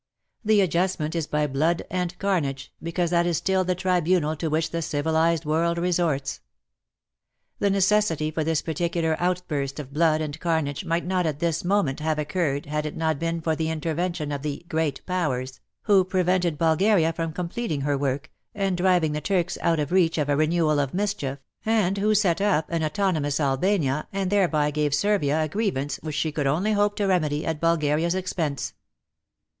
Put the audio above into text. The adjustment is by blood and carnage, because that is still the tribunal to which the civilized world resorts. The necessity for this particular outburst of blood and carnage might not at this moment have occurred had it not been for the intervention of the Great Powers," who prevented Bulgaria from completing her work, and driving the Turks out of reach of a renewal of mischief, and who set up an autonomous Albania and thereby gave Servia a grievance which she could only hope to remedy at Bulgaria's expense.